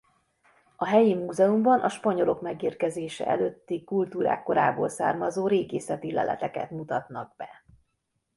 A helyi múzeumban a spanyolok megérkezése előtti kultúrák korából származó régészeti leleteket mutatnak be.